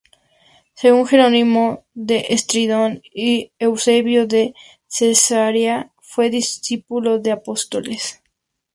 Según Jerónimo de Estridón y Eusebio de Cesarea, fue "discípulo de apóstoles".